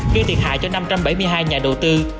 gây thiệt hại cho năm trăm bảy mươi hai nhà đầu tư